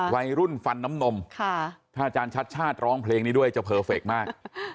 ฟันน้ำนมถ้าอาจารย์ชัดชาติร้องเพลงนี้ด้วยจะเพอร์เฟคมาก